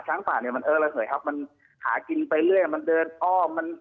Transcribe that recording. ช้างป่ามันเอ้ยครับมันหากินไปเรื่อยมันเดินอ้อม